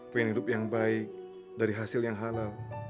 pengen hidup yang baik dari hasil yang halal